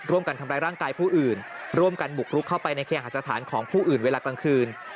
ร่วมกันทำร้ายร่างกายผู้อื่นร่วมกันบุกรุกเข้าไปในเคหาสถานของผู้อื่นเวลากลางคืน